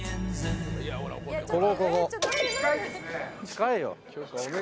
近いよ。